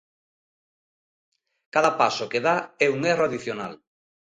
Cada paso que dá é un erro adicional.